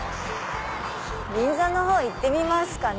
銀座のほう行ってみますかね。